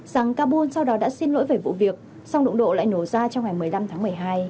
rằng kabul sau đó đã xin lỗi về vụ việc song đụng độ lại nổ ra trong ngày một mươi năm tháng một mươi hai